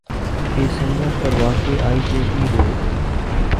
کے سنگم پر واقع آئی جے پی روڈ